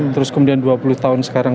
terus kemudian dua puluh tahun sekarang